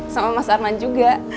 sama mas arman juga